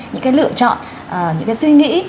những cái lựa chọn những cái suy nghĩ